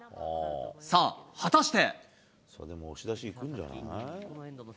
さあ、果たして。